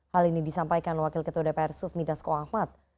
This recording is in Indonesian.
hal ini disampaikan wakil ketua dpr sufmi dasko ahmad